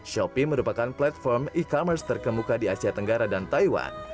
shopee merupakan platform e commerce terkemuka di asia tenggara dan taiwan